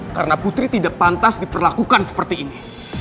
karena putri tidak pantas diperlakukan seperti ini